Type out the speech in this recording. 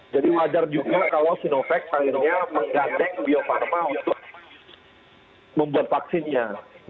jadi wajar juga kalau sinovac akhirnya menggandeng bio farma untuk membuat vaksinnya